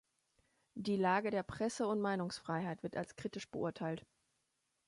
Die Lage der Presse- und Meinungsfreiheit wird als kritisch beurteilt.